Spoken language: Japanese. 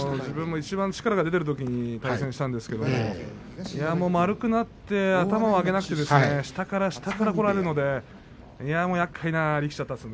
いちばん力が出ているときに自分も対戦したんですが丸くなって頭を上げなくて下から下からこられるのでやっかいな力士でした。